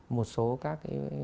một số các